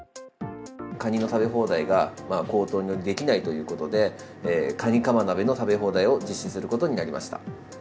カニの食べ放題が高騰によりできないということで、カニカマ鍋の食べ放題を実施することになりました。